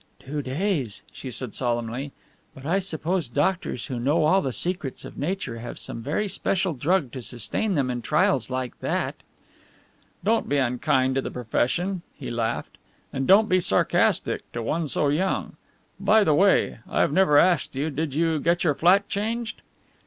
"Two days," she said solemnly, "but I suppose doctors who know all the secrets of nature have some very special drug to sustain them in trials like that." "Don't be unkind to the profession," he laughed, "and don't be sarcastic, to one so young. By the way, I have never asked you did you get your flat changed?"